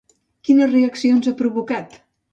Quines reaccions ha provocat?